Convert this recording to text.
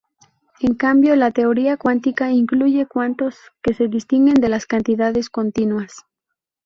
En cambio, la teoría cuántica incluye cuantos, que se distinguen de las cantidades continuas.